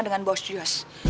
dengan bos josh